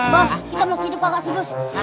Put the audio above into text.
bos kita mau hidup kakak sedus